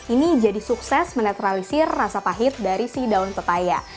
ini jadi sukses menetralisir rasa pahit dari si daun petaya